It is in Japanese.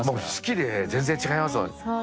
もう四季で全然違いますもん。